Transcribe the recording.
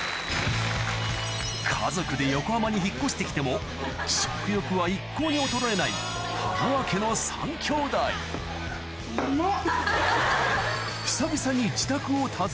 家族で横浜に引っ越して来ても食欲は一向に衰えないはなわ家の３兄弟ヤダわもう。